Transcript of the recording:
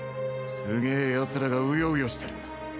すげえやつらがうようよしてる。